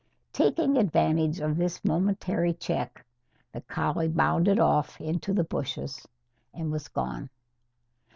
Taking advantage of this momentary check, the collie bounded off into the bushes and was gone.